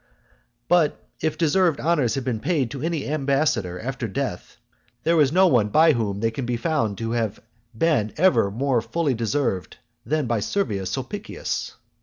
But if deserved honours have been paid to any ambassador after death, there is no one by whom they can be found to have been ever more fully deserved than by Servius Sulpicius.